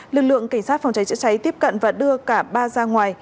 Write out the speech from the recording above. lực lượng cảnh sát phòng cháy chữa cháy tiếp cận và đưa cả ba ra ngoài